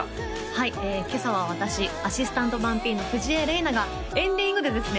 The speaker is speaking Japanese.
はい今朝は私アシスタント番Ｐの藤江れいながエンディングでですね